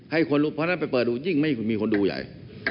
ให้คนรู้เพราะฉะนั้นไปเปิดดูยิ่งไม่มีคนดูใหญ่